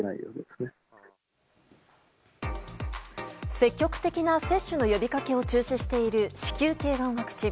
積極的な接種の呼びかけを中止している子宮頸がんワクチン。